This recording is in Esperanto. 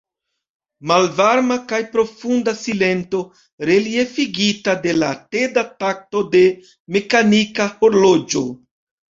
Malvarma kaj profunda silento, reliefigita de la teda takto de mekanika horloĝo.